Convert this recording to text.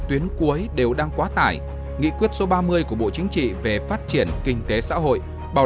tuyến cuối đều đang quá tải nghị quyết số ba mươi của bộ chính trị về phát triển kinh tế xã hội bảo